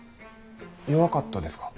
弱かったですか。